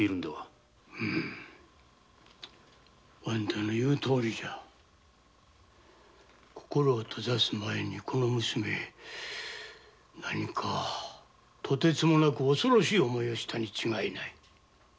あんたの言うとおりじゃ心を閉ざす前にこの娘何かとてつもなく恐ろしい思いをしたに違いない。